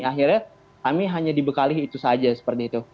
akhirnya kami hanya dibekali itu saja seperti itu